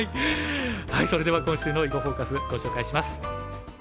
はいそれでは今週の「囲碁フォーカス」ご紹介します。